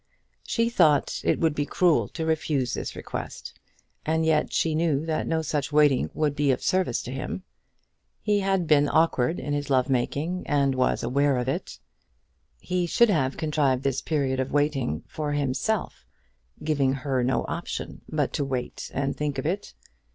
She thought it would be cruel to refuse this request, and yet she knew that no such waiting could be of service to him. He had been awkward in his love making, and was aware of it. He should have contrived this period of waiting for himself; giving her no option but to wait and think of it.